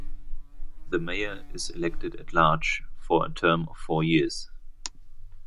The Mayor is elected at large for a term of four years.